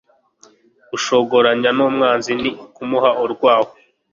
Gushyogoranya n'umwanzi ni ukumuha urwaho.